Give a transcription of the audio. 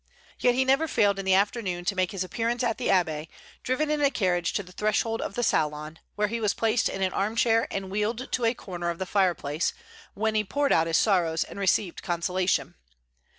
Yet he never failed in the afternoon to make his appearance at the Abbaye, driven in a carriage to the threshold of the salon, where he was placed in an arm chair and wheeled to a corner of the fireplace, when he poured out his sorrows and received consolation.